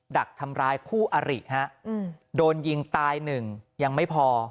ดักทำร้ายคู่อริฮะโดนยิงตายหนึ่งยังไม่พอ